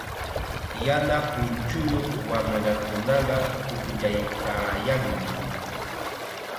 Yana punchuyuq wamrakunaqa pukllaykaayanmi.